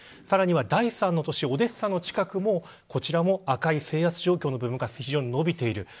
さらには第３の都市オデッサの近くもこちらも赤い制圧状況の部分が伸びている。